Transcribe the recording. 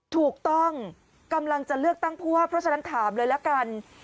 กำลังจะเลือกตั้งผู้ว่าเพราะฉะนั้นถามเลยละกัน